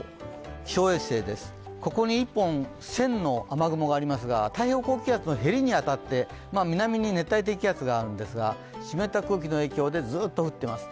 気象衛星です、ここに１本線の雨雲がありますが太平洋高気圧の縁に当たって、南に熱帯低気圧があるんですが湿った空気の影響でずっと降っています。